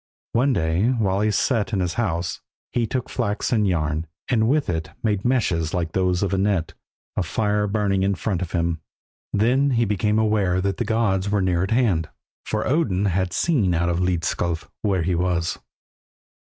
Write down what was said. One day while he sat in his house, he took flax and yarn, and with it made meshes like those of a net, a fire burning in front of him. Then he became aware that the gods were near at hand, for Odin had seen out of Hlidskjalf where he was.